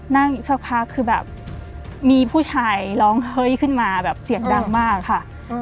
นั่งอยู่สักพักคือแบบมีผู้ชายร้องเฮ้ยขึ้นมาแบบเสียงดังมากค่ะ